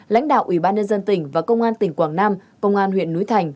lãnh đạo ủy ban nhân dân tỉnh và công an tỉnh quảng nam công an huyện núi thành